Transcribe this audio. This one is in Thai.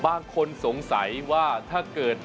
บางคนสงสัยว่าถ้าเกิด